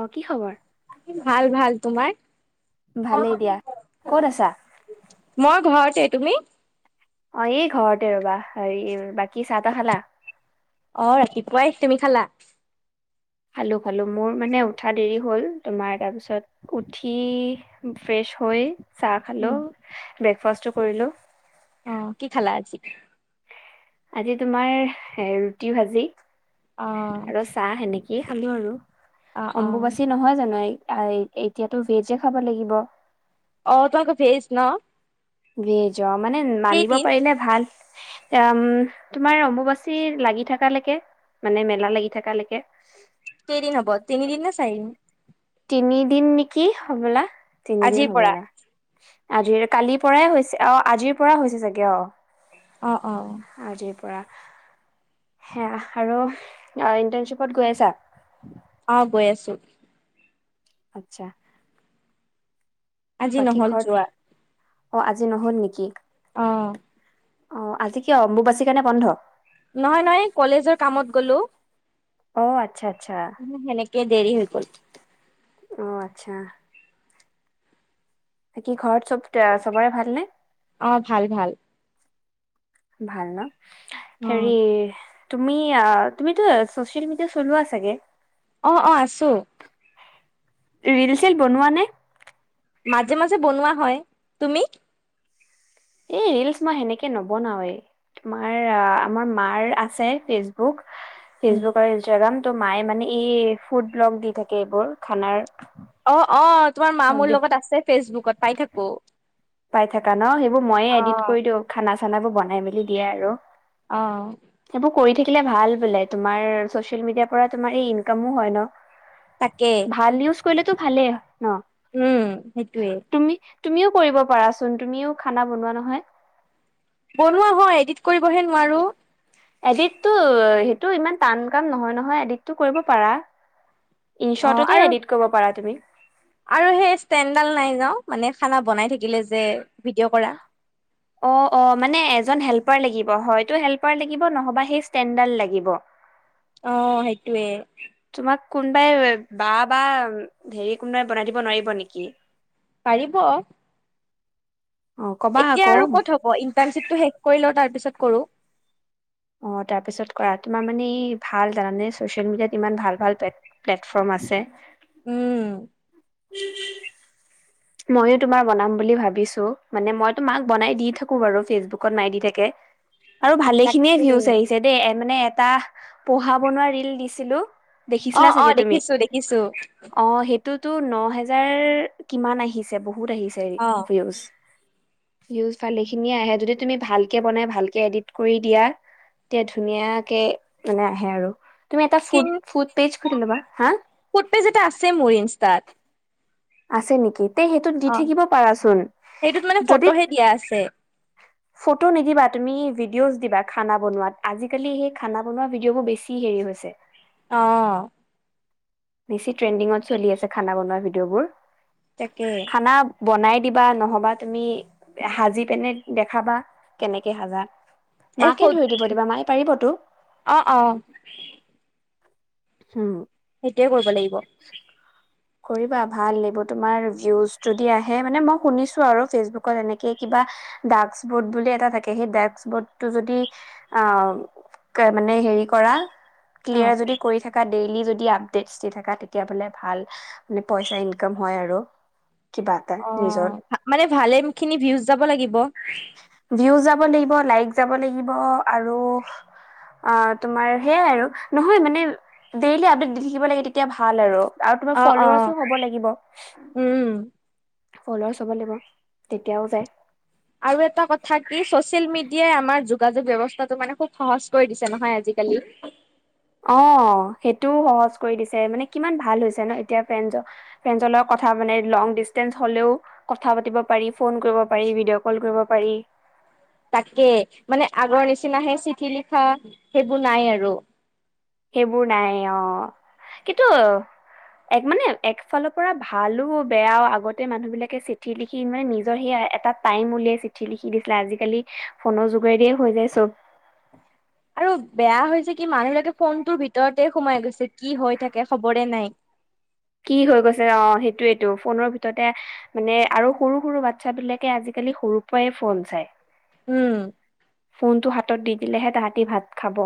অহ' কি খবৰ? ভাল, ভাল, তোমাৰ? ভালেই দিয়া ক'ত আছা? মই ঘৰতে তুমি? অ' এই ঘৰতে ৰ'বা, হেৰি বাকী চাহ তাহ খালা? অ ৰাতিপুৱাই, তুমি খালা? খালো -খালো মোৰ মানে উঠা দেৰি হ'ল, তোমাৰ তাৰপিছত উঠি ফ্ৰেছ হৈ। চাহ উম, খালো। ব্ৰেকফাষ্ট টো কৰিলো। অ' কি খালা আজি? আজি তোমাৰ এ! ৰুটি ভাজি। অ আৰু চাহ সেনেকে। এই খালো আৰু। অ অ অম্বুবাচী নহয় জানো এই। অ'হ এতিয়াতো ভেজে খাব লাগিব। অ'হ তই আকৌ ভেজ ন? ভেজ জ মানে মানিব কেইদিন পাৰিলে ভাল। এ! উ'ম তোমাৰ অম্বুবাচী লাগি থাকালৈকে। মানে মেলা লাগি থাকালৈকে। কেইদিন হ'ব, তিনিদিন নে চাৰিদিন। তিনিদিন নেকি হ'বলা। তিনিদিন আজিৰ পৰা হ'বলা। আজিৰ কালি পৰাই হৈছে অ'হ আজিৰ পৰা হৈছে চাগে অ'হ। অ অ আজিৰ পৰা সেয়াহ আৰু ইন্টাৰ্ণশ্বিপত গৈ আছা। অ' গৈ আছো। আচ্ছা। আজি বাকী নহ'ল ঘৰত যোৱা। অ' আজি নহ'ল নেকি? অ'হ। অ' আজি কিয় অম্বুবাচিৰ কাৰণে বন্ধ? নহয়, নহয় কলেজৰ কামত গলো। অ' আচ্ছা। আচ্ছা উ'ম। সেইকেয়ে দেৰি হৈ গ'ল। অ' আচ্ছা। বাকি ঘৰত চব সবৰে ভালনে। অ' ভাল- ভাল। ভাল ন। অ হেৰি। তুমি আহ তুমিটো চচিয়েল মিডিয়া চলোৱা চাগে? অ অ আছো। ৰিল চিল বনোৱা নে? মাজে মাজে বনোৱা হয়, তুমি? এই ৰিলচ মই সেনেকে নবনাওৱেই, তোমাৰ আমাৰ মাৰ আছে ফেচবুক। উম, ফেচবুক আৰু ইনষ্টাগ্ৰাম। তটো মায়ে মানে এই ফুড ব্লগ দি থাকে এইবোৰ খানাৰ। অ অ, তোমাৰ মা মোৰ লগত আছে ফেচবুক ত পাই থাকব, পাই থাকা ন সেই এইবোৰ মই ৰেডি কৰি দিওঁ খানা খানাবোৰ বনাই মেলি দিয়ে আৰু অহ, সেইবোৰ কৰি থাকিলে ভাল বোলে তোমাৰ চচিয়েল মিডিয়াৰ পৰা তোমাৰ এই ইনকামো হয় ন। তাকে, ভাল ইউজ কৰিলেতো ভালেই, উম সেইটোৱে, তুমি তুমিও কৰিব পাৰাচোন তুমিও খানা বনোৱা নহয়। বনোৱা হয় এডিট কৰিবহে নোৱাৰো। এডিকটটো সেইটো ইমান টান কাম নহয় নহয় এডিকটটো কৰিব পাৰা। অ ইনশ্বৰ্টতো আৰু এডিট কৰিব পাৰা তুমি। আৰু সেই ষ্টেনদাল নাই ন মানে খানা বনাই থাকিলে যে ভিডিঅ' কৰা। অ', অ' মানে এজন হেল্পাৰ লাগিব হয়তো হেল্পাৰ লাগিব নহ'বা সেই ষ্টেণ্ডদাল লাগিব। অ' সেইটোৱে। মাক কোনোবাই বা বা হেৰি কোনোবাই বনাই দিব নোৱাৰিব নেকি। পাৰিব। অ কবা এতিয়া আকৌ আৰু ক'ত হ'ব ইণ্টাৰ্ণশিপটো শেষ কৰি লও তাৰপিছত কৰোঁ। অ' তাৰপিছত কৰা তোমাৰ মানে ভাল জানানে ছচিয়েল মিডিয়াত ইমান ভাল ভাল প্লেটফৰ্ম আছে। উম। ময়ো তোমাৰ বনাম বুলি ভাবিছো মানে মইো মাক বনাই দি থাকো বাৰু ফেচবুকত নাই দি থাকে। আৰু ভালে খিনিয়ে তাকে ভিউচ আহিছে দেই এ মানে এটা পোহা বনোৱা ৰিল দিছিলোঁ। অ', অ' দেখিছো দেখিছো। [unintelligible] ন হাজাৰ কিমান আহি আহিছে বহু বহুত আহিছে অ ভিউজ। ভীযুজ ভালেখিনি আহে যদি তুমি ভালকে বনাই ভালকে এডিট কৰি দিয়া তেতিয়া ধুনীয়াকে আহে আৰু। তুমি এটা ফুড ফুড পেজ খুলি ল'বা হা ফুদ পেজ এটা আছে মোৰ ইনস্টাত। আছে নেকি? তে সেইটো দি থাকিব পাৰাচোন সেইটোত মানে যদি ফটোহে দিয়া আছে ফটো নিদিবা তুমি ভিডিঅ'জ দিবা খানা বনোৱা, আজিকালি সেই খানা বনোৱা ভিডি'অবোৰ বেছি হেৰি হৈছে। অ'। বেছি ট্ৰেণ্ডিঙত চলি আছে, খানা বনোৱা ভিডিঅ'বোৰ। তাকে খানা বনাই দিবা, নহ'বা তুমি সাজি পিনে দেখাবা কেনেকে সাজা। মাকে ধৰি দিব দিবা মায়ে পাৰিবতো [unintelligible] উম'। সেইটোৱে কৰিব লাগিব। কৰিবা ভাল এইবোৰ, তোমাৰ ভিউজ যদি আহে মান মই শুনিছো আৰু ফেচবুকত এনেকে কিবা ডাচবৰ্দ বুলি এটা থাকে সেই ডাচবৰ্দটো যদি অ' ক মানে হেৰি কৰা। অ ক্লিয়াৰ যদি কৰি থাকা। ডেইলি যদি আপডেটছ দি থাকা, তেতিয়া বোলে ভাল। মানে, পইচা ইনকাম হয় আৰু। কিবা এটা নিজৰ অ' মানে ভালেখিনি ভিউজ যাব লাগিব। ভিউজ যাব লাগিব, লাইক যাব লাগিব, আৰু অ' তোমাৰ সেয়াই আৰু নহয় মানে ডেইলি আপডেট দি থাকিব লাগে তেতিয়া ভাল আৰু। আৰু তোমাৰ অ অ। ফল'ৱাৰছো হ'ব লাগিব। উম। ফল'ৱাৰছ হব লাগিব, তেতিয়াও যায়। আৰু এটা কথা কি ছচিয়েল মিডিয়াই আমাৰ যোগাযোগ ব্যৱস্থাটো মানে খুব সহজ কৰি দিছে নহয় আজিকালি অ সেইটোও সহজ কৰি দিছে মানে কিমান ভাল হৈছে ন এতিয়া ফ্ৰেন্ড ফ্ৰেন্ডজ লগত কথা মানে লং ডিচেঞ্চ হলেও কথা পাতিব পাৰি ফোন কৰিব পাৰি ভিডিঅ' কল কৰিব পাৰি তাকে মানে আগৰ নিচিনাহে চিঠি লিখা সেইবোৰ নাই আৰু সেইবোৰ নাই অ কিন্তু এক মানে একফালৰ পৰা ভালো বেয়াও আগতে মানুহ বিলাকে চিঠি লিখি মানে নিজৰ সেই এটা টাইম উলিয়াই চিঠি লিখি দিছিলে আজিকালি ফোনৰ যোগেদিয়ে হৈ যায় চব আৰু বেয়া হৈছে কি মানুহলৈকে ফোনটোৰ ভিতৰতে সোমাই গৈছে কি হৈ থাকে খবৰে নাই কি হৈ গৈছে অ সেইটোৱেটো ফোনৰ ভিতৰতে মানে আৰু সৰু সৰু বাচ্ছাবিলাকে আজিকালি সৰুৰ পৰাই ফোন চাই উম ফোনটো হাত ত দি দিলেহে তাহাঁতি ভাত খাব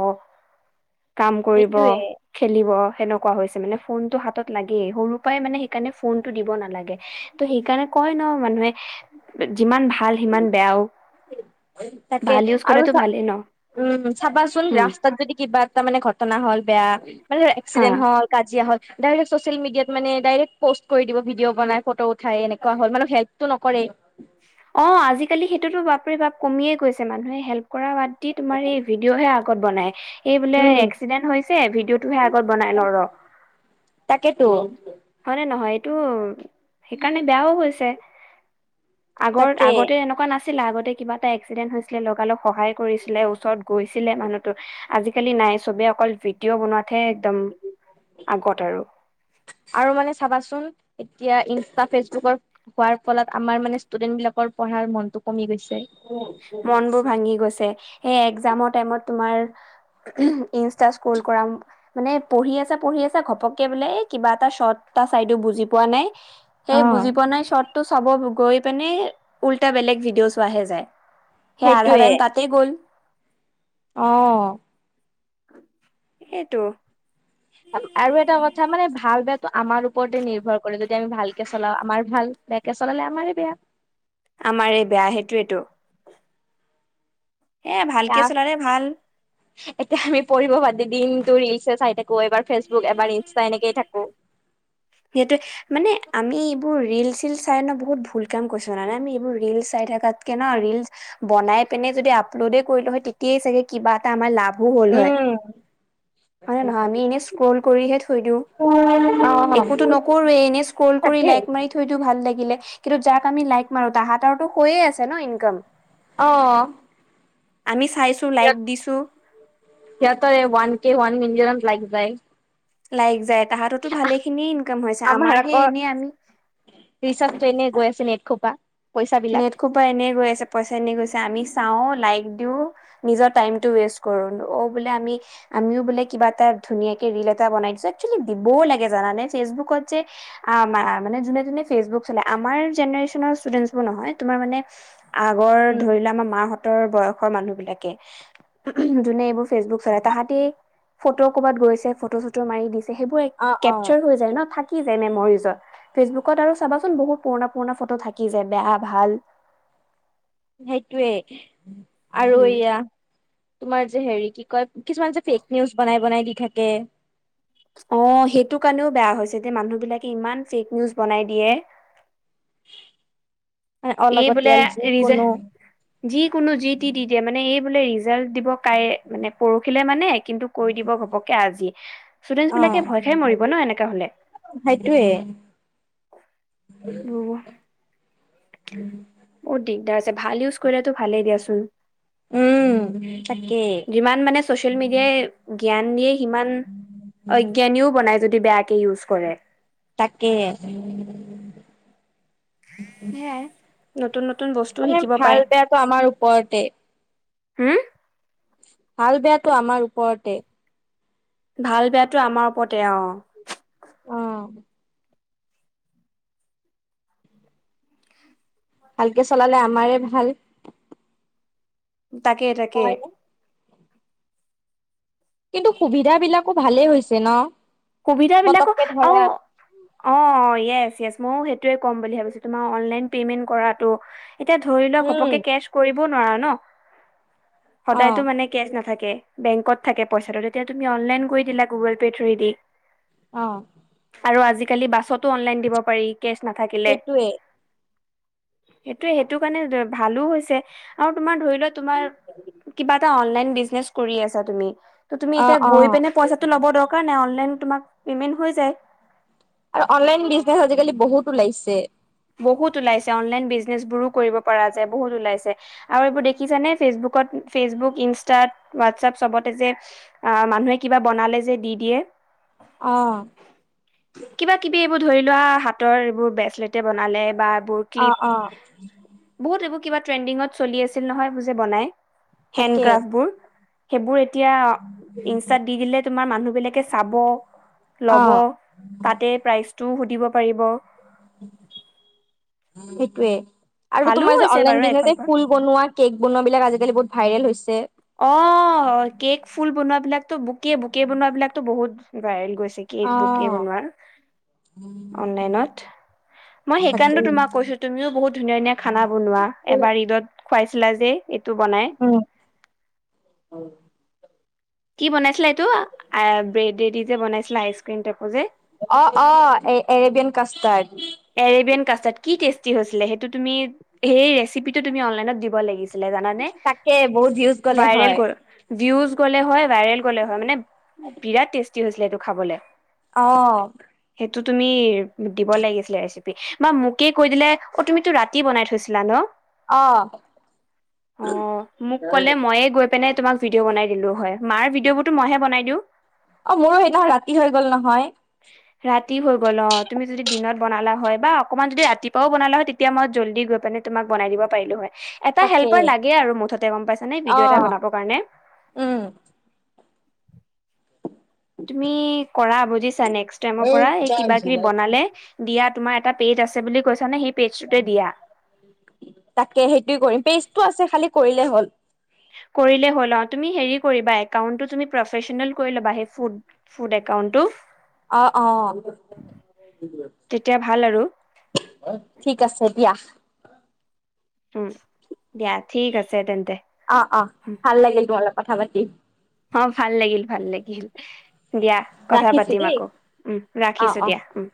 কাম কৰিব সেইটোয়ে খেলিব সেনেক কোৱা হৈছে মানে ফোনটো হাতত লাগ গেই সৰুৰ পৰাই মানে সেইকাৰণে ফোন টো দিব নালাগে ত' সেইকাৰণে কয় ন মানুহে যিমান ভাল সিমান বেয়াও তাকে ভাল ইউজ আৰু কৰিলেতো চা ভালেই ন উম চাবাচোন উম ৰাস্তাত যদি কিবা এটা মানে ঘটনা হল বেয়া মানে ধৰ হা এক্সিডেন্ট হল কাজিয়া হল ডাইৰেক্ট চচিয়েল মিডিয়াত মানে ডাইৰেক্ট পষ্ট কৰি দিব ভিডিঅ' বনাই ফটো উঠাই এনেকুৱা হ'ল মানে হেল্পটো নকৰেই অ আজিকালি সেইটোতো বাপৰি বাপ কমিয়ে গৈছে মানুহে হেল্প কৰা বাদ তোমাৰ এই ভিডিঅ'হে আগত বনায়। এই বোলে উম এক্সিডেন্ট হৈছে ভিডিঅ'টোহে আগত বনাই ল ৰ, তাকেতো হয়নে নহয় টো সেইকাৰণে বেয়াও হৈছে। আগৰ তাকে আগতে এনেকুৱা নাছিল আছিল আগতে কিবা এটা এক্সিডেণ্ট হৈছিলে লগাল লগ সহায় কৰিছিলে ওচৰত গৈছিলে মানুহটো আজিালি নাই চবেই অকল ভিডিঅ' বনোৱাত তে একদম আগত আৰু। আৰু মানে চাবাচোন এতিয়া ইনষ্টা ফেচবুকৰ হোৱাৰ ফলত আমাৰ মানে ষ্টুডেন্ট বিলাকৰ পঢ়াৰ মনতটো কমি গৈছে। মন বোৰ ভাঙি গৈছে, সেই এক্সামৰ টাইমত তোমাৰ ইনষ্টা স্কুল কৰা, মানে পঢ়ি আছা পঢ়ি আছ ঘপকে বোলে কিবা এটা শৰ্ট এটা চাইদো বুজি পোৱা নাই। অ সেই বুজি পোৱা নাই চৰ্তটো চাব গৈ মানে উল্টা বেলেগ ভিডিঅ' চোৱাহে যায়। হে আধা সেইটোয়ে দিন তাতেই গ'ল। অ'। সেইটো আৰু এটা কথা, মানে ভাল বেয়াটো আমাৰ ওপৰতে নিৰ্ভৰ কৰে যদি আমি ভালকে চলাও আমাৰ ভাল, বেয়াকে চলালে আমাৰে বেয়া। আমাৰে এই বেয়া সাইটোয়েটো। এ এতিয়া আমি পঢ়িব বাদে দিনতো ৰিলচে চাই থাক গৈ এবাৰ ফেচবুক এবাৰ ইনষ্টা এনেকেই থাকো। সিহেতে মানে আমি এইবোৰ ৰিলচ ৰীলচ চাই বহুত ভুল কাম কৰিছো জানানে, আমি এইবোৰ ৰিলচ চাই থাকাতকে ন ৰিলচ বনাই পিনে যদি আপলোডে কৰিলো হয় তেতিয় চাগে কিবা এটা আমাৰ লাভ বহু হল হয়। উম হয় নে নহয়? আমি এনে স্ক্ৰল কৰিহে থৈ দিওঁ, একোতো অ। নকৰোৱে এনেই স্ক্ৰল কৰি তাকে লাইক মাৰি থৈ দি ভাল লাগিলে। কিন্তু যাক আমি লাইক মাৰো তাহাঁতৰটো হৈয়ে আছে ন ইনকাম। অহ। আমি চা ইয়াত ওৱান কে ওৱান মিনিট লাইক যাই লাইক যায় তাহাঁততো ভালে খিনি ইনকাম হৈছে আমাৰ আমাৰহে আকৌ এনে আমি। ৰিচাৰ্জটো এনে গৈ আছে নেট খোপা পইচা বিলাক। নেট খোবা এনেই গৈ আছে পইচা এনেই গৈছে। আমি চাও লাইক দিও নিজৰ টাইম টো ৱেষ্ট কৰো অ বোলে আমি আমিও বোলে কিবা এটা ধুনীয়াকে ৰীল এটা বনাই দিছো একচুৱেলী দিবও লাগে জানানে ফেচবুকত যে আ মা-মানে যোনে যোনে ফেচবুক চলায় আমাৰ জেনেৰেচন ষ্টুডেনেট নহয় তোমাৰ মানে আগৰ উম ধৰিলা আমাৰ মাহতৰ বয়সৰ মানুহ বিলাকে যোনে এইবোৰ ফেচবুক চলায় তাহাঁতে ফটো কৰবাত গৈছে ফটো চটো মাৰি দিছে। সেইবোৰ অ অ। কেপচাৰ হৈ যায় ন' থাক থাকি যায় মেমৰিজত ফেচবুকত আৰু চাবাচোন বহুত পুৰণা-পুৰণা ফটো থাকি যায়। বেয়া ভাল। সেইটোৱে, আৰু উম, এয়া তোমাৰ যে হেৰি কি কয়? কিছুমান যে ফেক নিউজ বনাই-বনাই দি থাকে। অ, সেইটো কাৰণেও বেয়া হৈছে যে মানুহ বিলাকে ইমান ফেক নিউজ বনাই দিয়ে। মানে এই বোলে অলাগতিয়াল হেৰি যে যিকোনো যিকোনো যিটি দি দিয়ে মানে এই, বোলে ৰি ৰিজাল্ট দিব কাই মানে পৰহিলে মানে কিন্তু কৈ দিব ঘপককে আজি। ষ্টুডেন্ট অ বিলাকে ভয় খাই মৰিব ন এনেকা হলে? সেইটোৱে উম [inaudible] দিগদাৰ আছে ভাল ইউজ কৰিলেতো ভালেই দিয়াচোন। উম তাকে যিমান মানে চচিয়েল মিডিয়াই জ্ঞান নিয়ে সিমান অজ্ঞানীও বনাই। যদি বেয়াকে ইউজ কৰে তাকে সেয়াই নতুন নতুন বস্তু মানে শিকিব ভাল পায়। বেয়াটো আমাৰ ওপৰতে। হুম ভাল বেয়াটো আমাৰ ওপৰতে। ভাল বেয়াটো আমাৰ ওপৰতে অ। অ ভালকে চলালে আমাৰে ভাল। তাকে তাকে নহয় নে কিন্তু সুবিধা বিলাক আকৌ ভালেই হৈছে ন। সুবিধা বিলাকো পতককে ধৰা আৰু অ য়েছ য়েছ মইয়ো সেইটোয়ে কম বুলি ভাবছো তোমাৰ অনলাইন প্ৰেমেইন কৰাটো। এতিয়া ধৰি লওক উম ঘপকে কেচ কৰি বনোৱাৰা ন অ সদায়তো মানে কেচ নাথাকে। বেংকত থাকে পইচাটো, তেতিয়া তুমি অনলাইন কৰি দিলা গুগল পে থ্ৰো এ দি। আহ। আৰু আজিকালি বাছতো অনলাইন দিব পাৰি। কেচ নাথাকিলে সেইটোৱে সেইটোৱে, সেইটো কাৰণে ভালো হৈছে আৰু তোমাৰ ধৰি লোৱা তোমাৰ কিবা এটা অনলাইন বিজনেচ কৰি আছা তুমি। ত' তুমি অ এতিয়া অ গৈ পেনাই পইচাটো ল'ব দৰকাৰ নাই অনলাইন পেমেইন হৈ যায়। আৰু অনলাইন বিজনেচ আজিকালি বহুত ওলাইছে। বহুত ওলাইছে অনলাইন বিজনেচবোৰো কৰিব পৰা যায় বহুত ওলাইছে, আৰু এইবোৰ দেখিছানে? ফেচবুকত, ফেচবুক, ইনষ্টাত, হোৱাটছএপ চবতে যে, আ, মানুহে কিবা বনালে যে, দি দিয়ে। অ'। কিবা কিবি ধৰি লোৱা হাতৰ এইবোৰ ব্ৰেচলেট তে বনালে বা এইবোৰ ক্লিপ অ', অ'। বহুত এইবোৰ কিবা ট্ৰেন্ডিংত চলি আছিল নহয়, এইবোৰ যে, বনাই তাকে হেণ্ডক্ৰাফ্টবোৰ। সেইবোৰ এতিয়া ইষ্টাত দি দিলে তোমাৰ মানুহ বিলাকে চাব অ ল'ব তাতে প্ৰাইজ টো, সুধিব পাৰিব। সেইটোৱে আৰু ভালো তোমাৰ যে হৈছে অনলাইন বাৰু এখন বিনে পৰা। ফুল বনোৱা কেক বনোৱা বিলাক আজিকালি বহুত ভাইৰেল হৈছে। ছে অ' কেক ফুল বনোৱা এই বিলাকতো বুকে বুকে বনোৱা বিলাকতো বহুত ভাইৰেল গৈছে। একে অ বুক কৰিব নোৱাৰোঁ, অনলাইনত। মই তাকে সেইকাৰণেটো তোমাক কৈছো তুমিও বহুত ধুনীয়া ধুনীয়া খানা বনোৱা। এবাৰ ঈদত খোৱাইছিলা যে এইটো বনাই। অ'। কি বনাইছিলা এইটো, আ ব্ৰেডেদি যে বনাইছিলা আইচকিম টেপো যে? অ' অ' এ এৰেবিয়ান কাষ্টাৰ্ড এৰেবিয়ান কি টেষ্টি হৈছিলে, হেটো তুমি হেই ৰেচিপিটো তুমি অনলাইনত দিব লাগিছিল। তাকে বহুত ভিউজ গলে ভাইৰেল হয়। ভিউজ গ'লে হয় ভাইৰেল গ'লে হয়, মানে বিৰাট টেষ্টি হৈছিলে এইটো খাবলে। অহ' এইটো তুমি দিব লাগিছিলে ৰেচিপি বা মোকেই কৈ দিলে, অ' তুমিতো ৰাতি বনাই থৈছিলা ন। অ অ' মোক ক'লে মইয়ে গৈ পিনেই তোমাক ভিডিঅ' বনাই দিলোঁ হয়। মাৰ ভিডিঅ' বোৰতো মইহে বনাই দিওঁ। অ মোৰো সেইদিনাখন ৰাতি হৈ গ'ল নহয় ৰাতি হৈ গ'ল। অ' তুমি যদি দিনত বনালা হয়। বাক অকণমাণ যদি ৰাতিপুৱাও বনালা হয় তেতি তেতিয়া, মই জল্দি গৈ পিনে তোমাক বনাই দিব পাৰিলোঁ হয়। এটা তাকে হেল্পাৰ লাগে আৰু মুঠতে গ'ম পাইছানে, অ ভিডিঅ' এটা বনাব কাৰণে। উম তুমি কৰা বু দিচ আনেক ষ্টেমৰ পৰা এই কিবা কিবি বনালে দিয়া তোমাৰ এটা পেট আছে বুলি কৈছা নে সেই পেজটোতে দিয়া তাকে, সেইটো কৰি পেষ্টটো আছে, খালি কৰি এই হ'ল। কৰিলে হ'ল অ তুমি হেৰি কৰিবা একাউণ্টতো তুমি প্ৰফেচনেল কৰি ল'বা সেই ফুুড একাউণ্টটো। অ, অ, তেতিয়া ভাল আৰু ঠিক আছে দিয়া। উম, দিয়া ঠিক আছে তেন্তে। অ অ, ভাল লাগিল তোমালোক কথা পাতি। অ ভাল লাগিল ভাল লাগিল, দিয়া কথা ৰাখিছো পাতিম দেই আকৌ উম অ ৰাখিছো অ দিয়া উম।